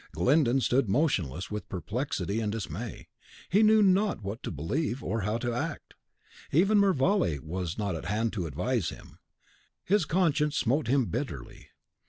Glyndon stood motionless with perplexity and dismay; he knew not what to believe, or how to act. Even Mervale was not at hand to advise him. His conscience smote him bitterly.